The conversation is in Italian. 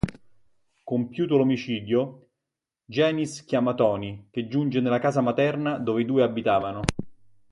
Compiuto l'omicidio, Janice chiama Tony che giunge nella casa materna dove i due abitavano.